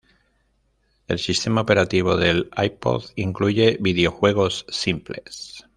El sistema operativo del iPod incluye videojuegos simples.